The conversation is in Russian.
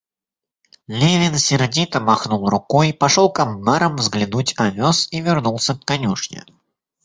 Левин сердито махнул рукой, пошел к амбарам взглянуть овес и вернулся к конюшне.